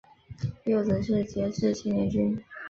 幼子是杰志青年军。